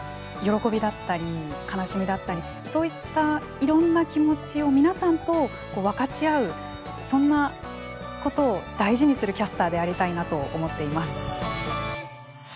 喜びだったり悲しみだったりそういったいろんな気持ちを皆さんと分かち合うそんなことを大事にするキャスターでありたいなと思っています。